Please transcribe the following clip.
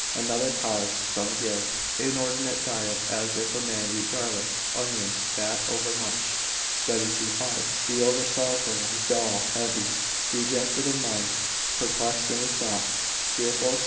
Another cause some give, inordinate diet, as if a man eat garlic, onions, fast overmuch, study too hard, be over sorrowful, dull, heavy, dejected in mind, perplexed in his thoughts, fearful, &c.